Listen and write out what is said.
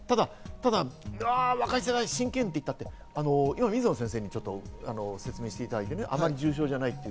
ただ若い世代、心筋炎って言ったって、水野先生に説明していただいて、あまり重症じゃないという。